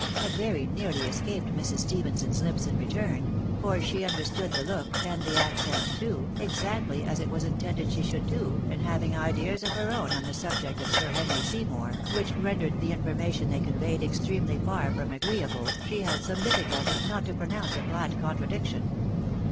" had very nearly escaped Mrs. Stephenson's lips in return ; for she understood the look, and the accent too, exactly as it was intended she should do, and having ideas of her own on the subject of Sir Henry Seymour, which rendered the information they conveyed extremely far from agreeable, she had some difficulty not to pronounce a flat contradiction.